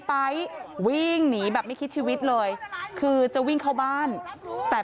ไป๊วิ่งหนีแบบไม่คิดชีวิตเลยคือจะวิ่งเข้าบ้านแต่